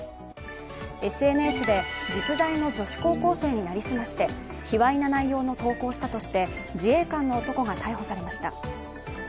ＳＮＳで実在の女子高校生に成り済まして卑わいな内容の投稿をしたとして自衛官の男が逮捕されました。